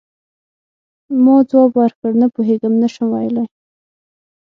ما ځواب ورکړ: نه پوهیږم، نه شم ویلای.